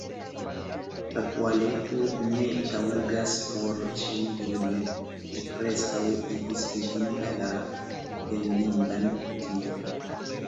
La tualeto ne taŭgas por ĉiuj virinoj: ĝi preskaŭ igis ridinda la plendindan Fotini.